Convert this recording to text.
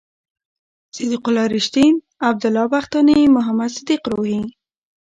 صد یق الله رېښتین، عبد الله بختاني، محمد صدیق روهي